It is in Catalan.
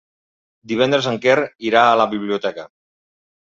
Divendres en Quer irà a la biblioteca.